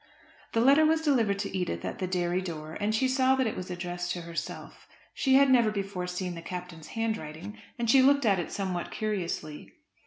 The letter was delivered to Edith at the dairy door, and she saw that it was addressed to herself. She had never before seen the Captain's handwriting, and she looked at it somewhat curiously.